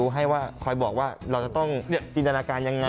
ให้ว่าคอยบอกว่าเราจะต้องจินตนาการยังไง